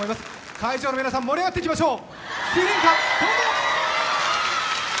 会場の皆さん、盛り上がっていきましょう！